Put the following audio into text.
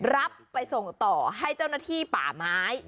รับไปส่งต่อให้เจ้าหน้าที่ป่าไม้